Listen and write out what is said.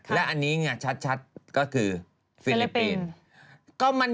และอันนี้ไงชัดก็คือฟิลิปปินส์